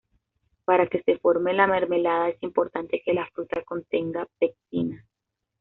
Para que se forme la mermelada es importante que la fruta contenga pectina.